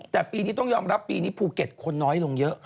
แต่ปีนี้ต้องยอมรับปีนี้ภูเก็ตคนน้อยลงเยอะ